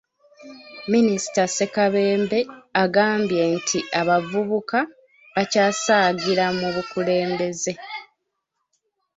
Minisita Ssekabembe agambye nti abavubuka bakyasaagira mu bukulembeze.